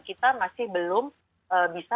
kita masih belum bisa